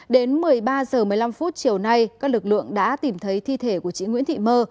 đến một mươi ba h một mươi năm chiều nay các lực lượng đã tìm thấy thi thể của chị nguyễn thị mơ